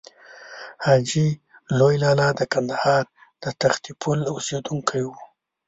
حاجي لوی لالا د کندهار د تختې پل اوسېدونکی و.